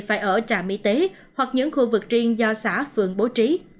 phải ở trạm y tế hoặc những khu vực riêng do xã phường bố trí